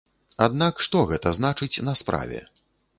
Аднак што гэта значыць на справе?